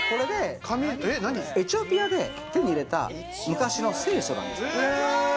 エチオピアで手に入れた昔の聖書なんですよ。